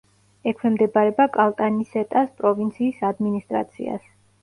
ექვემდებარება კალტანისეტას პროვინციის ადმინისტრაციას.